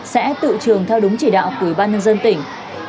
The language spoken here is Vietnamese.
sẽ tự trường theo đúng chỉ đạo của ủy ban nhân dân tỉnh